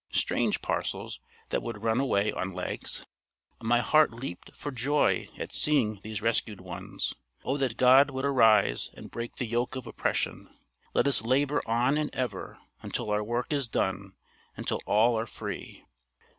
Strange parcels, that would run away on legs. My heart leaped for joy at seeing these rescued ones. O that God would arise and break the yoke of oppression! Let us labor on and ever, until our work is done, until all are free.